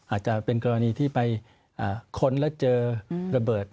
อาจจะเป็นกรณีที่ไปค้นแล้วเจอระเบิด